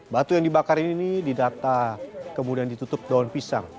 batu yang dibakar ini didata kemudian ditutup daun pisang